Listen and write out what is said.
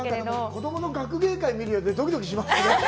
子供の学芸会を見るようで、ドキドキしますね。